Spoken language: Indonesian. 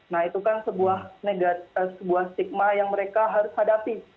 nah itu kan sebuah stigma yang mereka harus hadapi